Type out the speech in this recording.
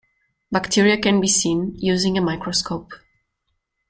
Bacteria can be seen using a microscope.